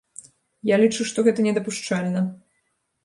Я лічу, што гэта недапушчальна!